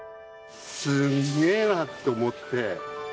すんげえなと思って。